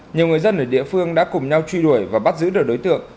nhiều người dân ở địa phương đã cùng nhau truy đuổi và bắt giữ được đối tượng